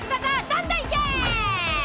どんどんいけ！